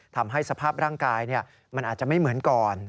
ทำให้สภาพร่างกายมันอาจจะไม่เหมือนก่อน